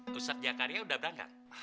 eh ustadz jakarinya udah berangkat